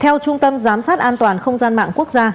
theo trung tâm giám sát an toàn không gian mạng quốc gia